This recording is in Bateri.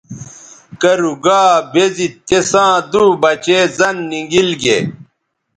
کرُو گا بے زی تِساں دُو بچے زَن نی گیل گے۔